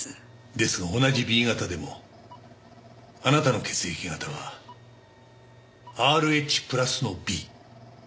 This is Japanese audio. ですが同じＢ型でもあなたの血液型はＲＨプラスのＢ。